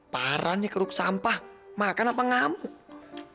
parah nih geruk sampah makan apa ngamuk